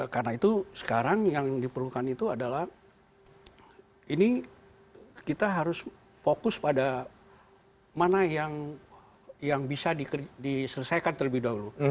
karena itu sekarang yang diperlukan itu adalah ini kita harus fokus pada mana yang bisa diselesaikan terlebih dahulu